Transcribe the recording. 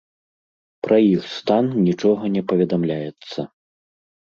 Пра іх стан нічога не паведамляецца.